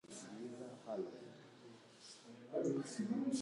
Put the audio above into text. Abagenzi bagumye muri hoteri yo ku nyanja.